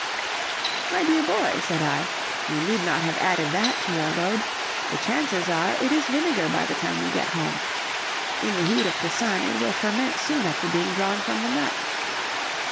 "My dear boy," said I, "you need not have added that to your load; the chances are it is vinegar by the time we get home. In the heat of the sun, it will ferment soon after being drawn from the nut."